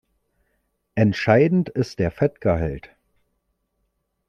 Entscheidend ist der Fettgehalt.